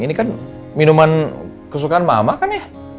ini kan minuman kesukaan mama kan ya